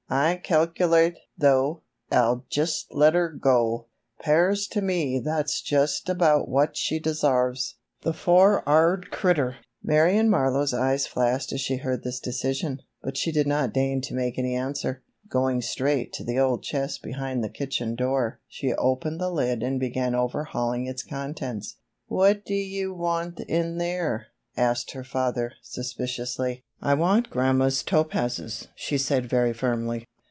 "I calkerlate, tho', I'll jest ler 'er go! 'Pears tew me that's about what she desarves, the for'ard critter!" Marion Marlowe's eyes flashed as she heard this decision, but she did not deign to make any answer. Going straight to the old chest behind the kitchen door, she opened the lid and began overhauling its contents. "What dew you want in there?" asked her father, suspiciously. "I want grandma's topazes," she said very firmly.